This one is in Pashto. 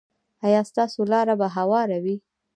ایا ستاسو لاره به هواره وي؟